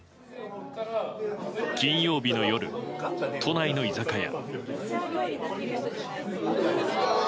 金曜日の夜、都内の居酒屋。